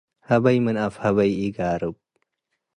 ሀበይ ምን አፍ ሀበይ ኢገርብ።